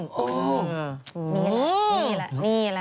นี่แหละนี่แหละ